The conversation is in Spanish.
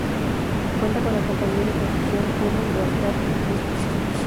Cuenta con la compañía de producción "Hunan Broadcasting System".